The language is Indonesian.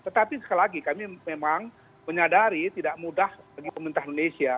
tetapi sekali lagi kami memang menyadari tidak mudah bagi pemerintah indonesia